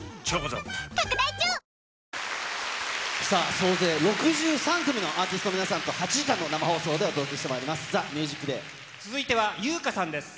総勢６３組のアーティストの皆さんと、８時間の生放送でお届けしてまいります、ＴＨＥＭＵＳＩＣＤＡＹ。